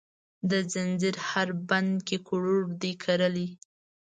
د ځنځیر هر بند کې کروړو دي کرلې،